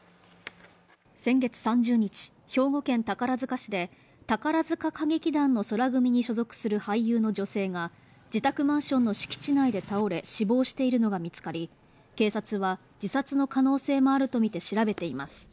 先月３０日、兵庫県宝塚市で宝塚歌劇団の宙組に所属する俳優の女性が自宅マンションの敷地内で倒れ死亡しているのが見つかり、警察は自殺の可能性もあるとみて調べています。